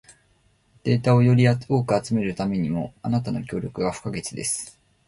データをより多く集めるためにも、あなたの協力が不可欠です。